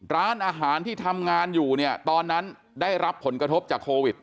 ร้านอาหารที่ทำงานอยู่เนี่ยตอนนั้นได้รับผลกระทบจากโควิด